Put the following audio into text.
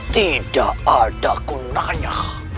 tidak ada gunanya